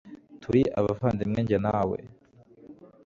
turi abavandimwe njye nawe